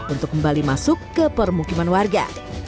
untuk kembali masuk ke permukiman warga